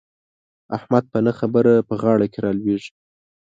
احمد په نه خبره په غاړه کې را لوېږي.